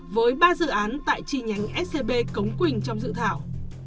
với ba dự án tại chi nhánh scb cống quỳnh trong dự thảo